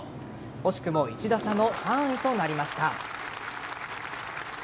惜しくも１打差の３位となりました。